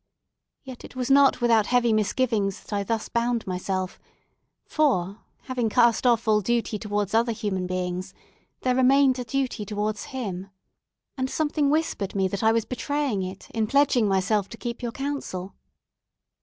Yet it was not without heavy misgivings that I thus bound myself, for, having cast off all duty towards other human beings, there remained a duty towards him, and something whispered me that I was betraying it in pledging myself to keep your counsel.